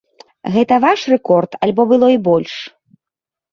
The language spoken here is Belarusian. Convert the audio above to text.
Гэта ваш рэкорд альбо было і больш?